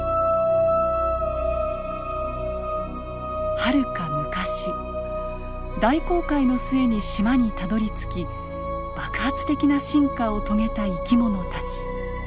はるか昔大航海の末に島にたどりつき爆発的な進化を遂げた生き物たち。